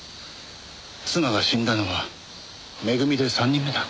妻が死んだのはめぐみで３人目だ。